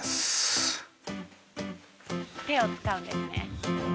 手を使うんですね。